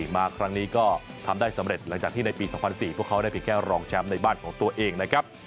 มาครั้งนี้ก็ทำได้สำเร็จหลังจากที่ในปี๒๐๐๔พวกเขาได้เพียงแค่รองแชมป์ในบ้านของตัวเองนะครับ